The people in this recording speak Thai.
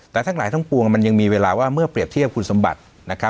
แต่ทั้งหลายทั้งปวงมันยังมีเวลาว่าเมื่อเปรียบเทียบคุณสมบัติ